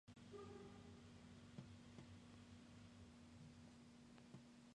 Una vez retirado del gobierno, retomó su participación parlamentaria.